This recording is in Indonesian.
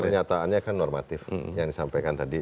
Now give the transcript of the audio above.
pernyataannya kan normatif yang disampaikan tadi